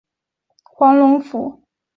济州本是辽朝东京道黄龙府。